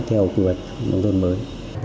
theo quyền nông dân mới